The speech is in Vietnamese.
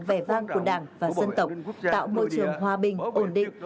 vẻ vang của đảng và dân tộc tạo môi trường hòa bình ổn định